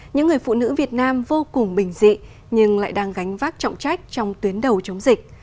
những người phụ nữ việt nam vô cùng bình dị nhưng lại đang gánh vác trọng trách trong tuyến đầu chống dịch